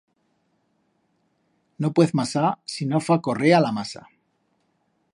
No puez masar si no fa correa la masa.